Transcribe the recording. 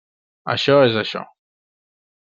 -Això és això.